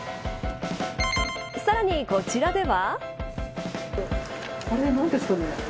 さらに、こちらでは。